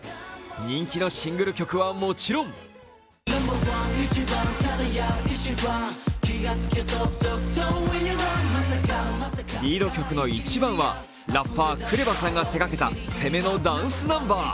人気のシングル曲はもちろんリード曲の「ｉｃｈｉｂａｎ」はラッパー、ＫＲＥＶＡさんが手がけた攻めのダンスナンバー。